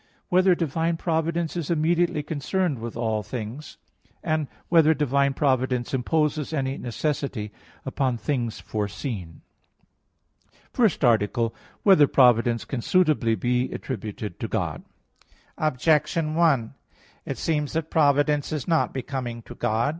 (3) Whether divine providence is immediately concerned with all things? (4) Whether divine providence imposes any necessity upon things foreseen? _______________________ FIRST ARTICLE [I, Q. 22, Art. 1] Whether Providence Can Suitably Be Attributed to God? Objection 1: It seems that providence is not becoming to God.